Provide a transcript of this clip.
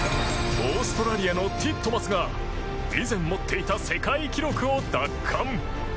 オーストラリアのティットマスが以前持っていた世界記録を奪還。